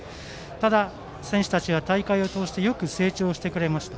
ただ、選手たちは大会を通してよく成長してくれました。